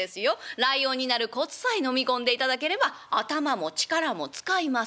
ライオンになるコツさえのみ込んでいただければ頭も力も使いません」。